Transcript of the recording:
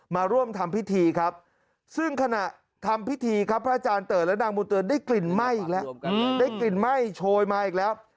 มาร่วมทำพิธีครับซึ่งขณะทำพิธีครับพระอาจารย์เตอร์และนางบุญเตือนได้กลิ่นไหม้อีกแล้ว